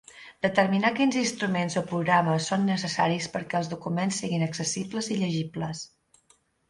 Determinar quins instruments o programes són necessaris perquè els documents siguin accessibles i llegibles.